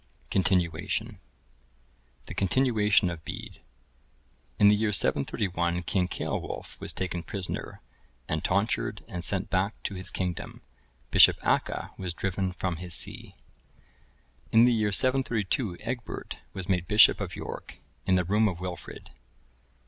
CONTINUATION _The Continuation of Bede._(1056) In the year 731 King Ceolwulf was taken prisoner, and tonsured, and sent back to his kingdom; Bishop Acca was driven from his see. In the year 732, Egbert(1057) was made Bishop of York, in the room of Wilfrid.